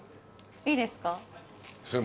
いいですか？